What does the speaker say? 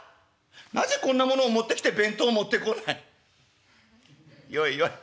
なぜこんなものを持ってきて弁当を持ってこない？よいよい。